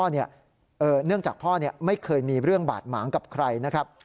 เนื่องจากพ่อไม่เคยมีเรื่องบาดหมางกับใครนะครับ